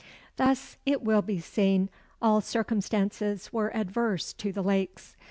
Thus, it will be seen, all circumstances were adverse to the Lakes.